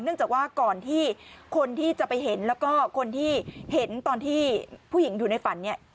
จากว่าก่อนที่คนที่จะไปเห็นแล้วก็คนที่เห็นตอนที่ผู้หญิงอยู่ในฝันเนี่ย